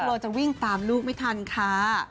เราจะวิ่งตามลูกไม่ทันค่ะ